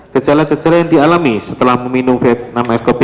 gejala gejala yang dialami setelah meminum vietnam ais kopi